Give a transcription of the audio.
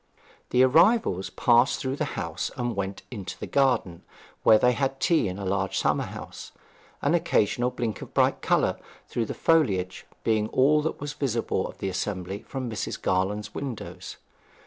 The arrivals passed through the house and went into the garden, where they had tea in a large summer house, an occasional blink of bright colour, through the foliage, being all that was visible of the assembly from Mrs. Garland's windows.